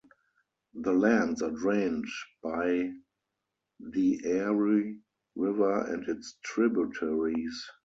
The lands are drained by the Aare river and its tributaries.